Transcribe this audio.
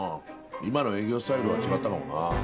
今の営業スタイルとは違ったかもなあ。